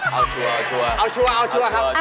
เอาชัวร์ครับ